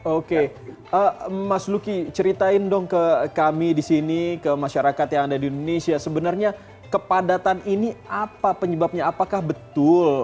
oke mas luki ceritain dong ke kami di sini ke masyarakat yang ada di indonesia sebenarnya kepadatan ini apa penyebabnya apakah betul